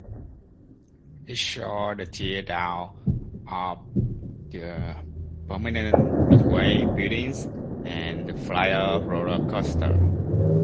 It saw the tear-down of the permanent midway buildings and the Flyer roller coaster.